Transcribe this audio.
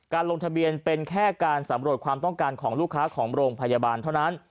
ลงทะเบียนเป็นแค่การสำรวจความต้องการของลูกค้าของโรงพยาบาลเท่านั้น